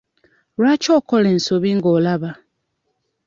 Lwaki okola ensobi ng'olaba?